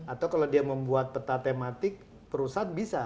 atau kalau dia membuat peta tematik perusahaan bisa